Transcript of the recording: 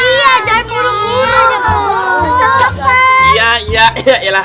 iya dan burungnya juga burung